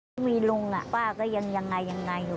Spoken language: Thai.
ที่มีลุงป้าก็ยังยังไงอยู่